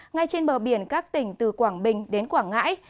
ngay trên bờ biển các tỉnh từ quảng bình đến quảng ngãi